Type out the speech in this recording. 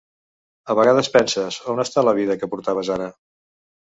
A vegades penses, on està la vida que portaves ara.